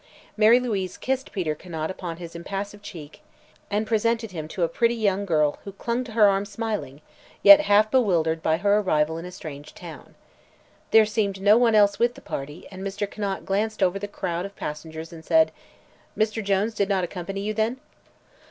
Mary Louise kissed Peter Conant upon his impassive cheek and presented him to a pretty young girl who clung to her arm smiling, yet half bewildered by her arrival in a strange town. There seemed no one else with the party and Mr. Conant glanced over the crowd of passengers and said: "Mr. Jones did not accompany you, then?"